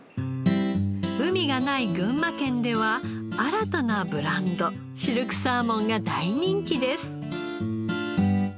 海がない群馬県では新たなブランドシルクサーモンが大人気です。